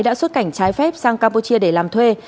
đã xuất cảnh trái phép sang campuchia để làm thuê